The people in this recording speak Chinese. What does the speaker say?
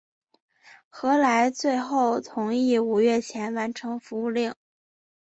何来最后同意五月前完成服务令。